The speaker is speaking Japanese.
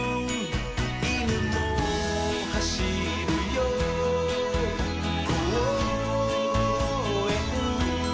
「いぬもはしるよこうえん」